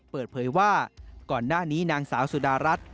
เปิดเผยว่าก่อนหน้านี้นางสาวสุดารัฐ